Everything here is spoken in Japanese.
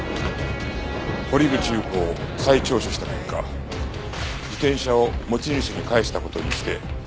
堀口裕子を再聴取した結果自転車を持ち主に返した事にして捨てたそうです。